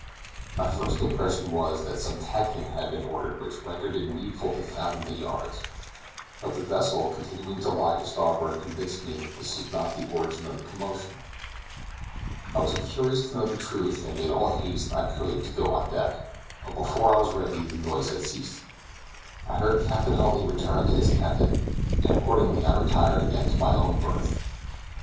My first impression was, that some tacking had been ordered which rendered it needful to fathom the yards; but the vessel continuing to lie to starboard convinced me that this was not the origin of the commotion. I was curious to know the truth, and made all haste I could to go on deck; but before I was ready, the noise had ceased. I heard Captain Huntly return to his cabin, and accordingly I retired again to my own berth.